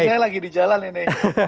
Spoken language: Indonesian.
pak biknya lagi di jalan ini